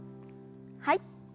はい。